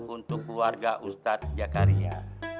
untuk keluarga ustadz jakaria